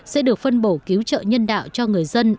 sẽ được phân bổ cứu trợ nhân đạo cho người dân